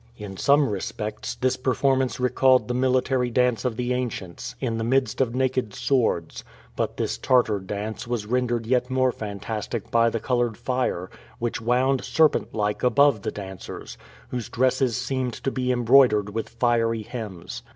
In some respects, this performance recalled the military dance of the ancients, in the midst of naked swords; but this Tartar dance was rendered yet more fantastic by the colored fire, which wound, serpent like, above the dancers, whose dresses seemed to be embroidered with fiery hems.